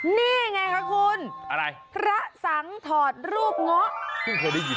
นี่ไงค่ะคุณพระสังภรรย์ถอดรูปเงาะ